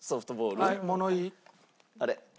あれ？